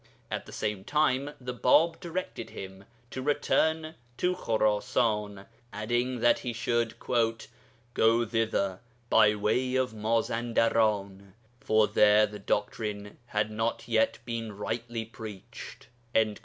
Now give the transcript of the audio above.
At the same time the Bāb directed him to return to Khurasan, adding that he should 'go thither by way of Mazandaran, for there the doctrine had not yet been rightly preached.'